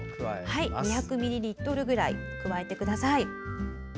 ２００ミリリットルぐらい加えてください。